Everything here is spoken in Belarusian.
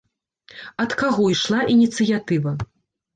Ад каго ішла ініцыятыва?